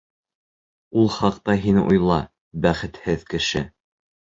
Ул хаҡта һин уйла, бәхетһеҙ кеше!..